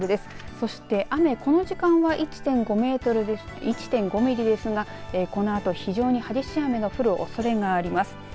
そして雨この時間は１．５ミリですが、このあと非常に激しい雨が降るおそれがあります。